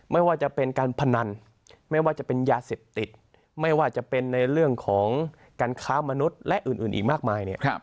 ไม่ว่าจะเป็นการพนันไม่ว่าจะเป็นยาเสพติดไม่ว่าจะเป็นในเรื่องของการค้ามนุษย์และอื่นอีกมากมายเนี่ย